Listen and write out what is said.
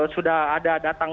sudah ada datang